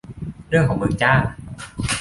เรื่องของมึงจ้า